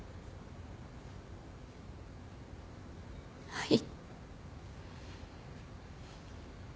はい。